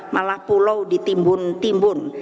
malah pulau ditimbun timbun